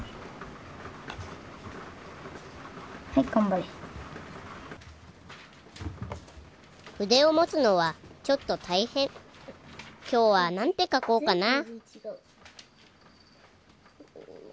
はい頑張れ筆を持つのはちょっと大変今日は何て書こうかな？